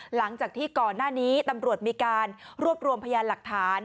หลังจากที่ก่อนหน้านี้ตำรวจมีการรวบรวมพยานหลักฐาน